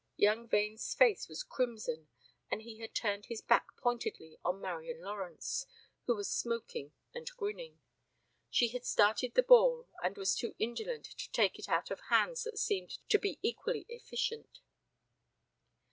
Young Vane's face was crimson and he had turned his back pointedly on Marian Lawrence, who was smoking and grinning. She had started the ball and was too indolent to take it out of hands that seemed to be equally efficient.